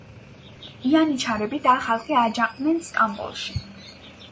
იანიჩარები და ხალხი აჯანყდნენ სტამბოლში.